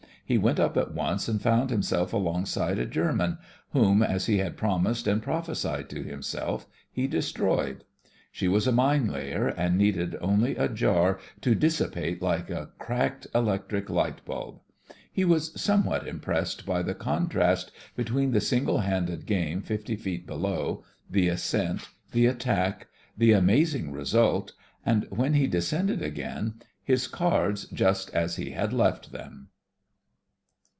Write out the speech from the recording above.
He went up at once and found himself alongside a German, whom, as he had promised and proph esied to himself, he destroyed. She was a mine layer, and needed only a jar to dissipate like a cracked electric light bulb. He was somewhat impressed by the contrast between the single handed game 50 feet below, the ascent, the at tack, the amazing result, and when he descended again, his cards just as he had left them.